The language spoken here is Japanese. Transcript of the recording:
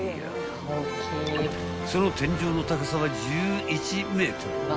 ［その天井の高さは１１ｍ］